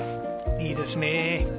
いいですね。